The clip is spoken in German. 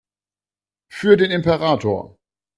Für den Imperator!